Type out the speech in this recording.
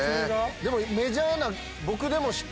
でもメジャーな。